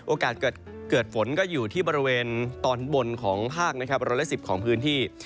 โอกาสเกิดฝนก็อยู่ที่บริเวณตอนบนของภาคนะครับ๑๑๐ของพื้นที่